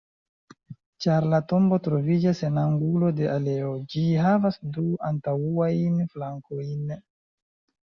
Ĉar la tombo troviĝas en angulo de aleo, ĝi havas du antaŭajn flankojn.